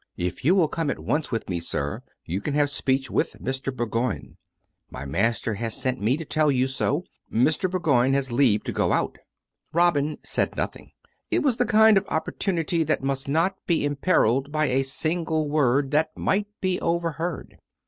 " If you will come at once with me, sir, you can have speech with Mr. Bourgoign. My master has sent me to tell you so; Mr. Bourgoign has leave to go out." Robin said nothing. It was the kind of opportunity that must not be imperilled by a single word that might be overheard.